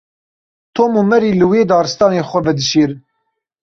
Tom û Mary li wê daristanê xwe vedişêrin.